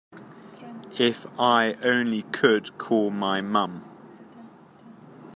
If I only could call my mom.